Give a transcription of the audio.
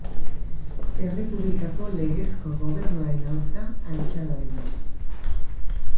Errepublikako legezko gobernuaren aurka altxa dadin.